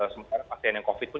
sementara pasien yang covid itu